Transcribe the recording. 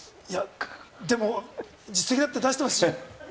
でも実績だって出してますし。